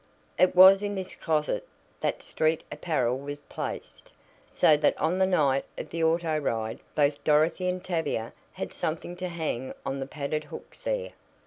It was in this closet that street apparel was placed, so that on the night of the auto ride both Dorothy and Tavia had something to hang on the padded hooks there.